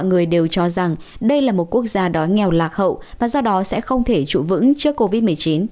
nhiều người đều cho rằng đây là một quốc gia đói nghèo lạc hậu và do đó sẽ không thể trụ vững trước covid một mươi chín